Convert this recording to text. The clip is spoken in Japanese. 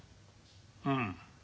うん。